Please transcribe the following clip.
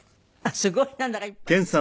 すごいなんだかいっぱいいる。